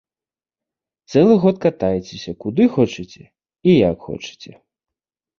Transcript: Цэлы год катайцеся куды хочаце і як хочаце.